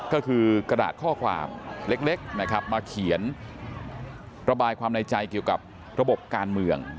ก็คือกระดาษข้อความเล็กนะครับมาเขียนระบายความในใจเกี่ยวกับระบบการเมือง